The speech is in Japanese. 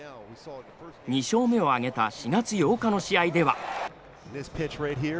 ２勝目を挙げた４月８日の試合では。